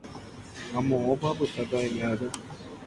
ha moõpa apytáta aime aja.